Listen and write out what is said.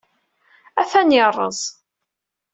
Atan yerreẓ.